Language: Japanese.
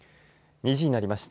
２時になりました。